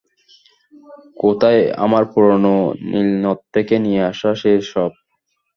কোথায় আমার পুরনো নীলনদ থেকে নিয়ে আসা সেই সর্প?